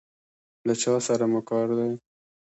له چا سره مو کار دی؟